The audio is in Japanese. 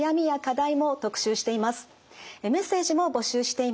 メッセージも募集しています。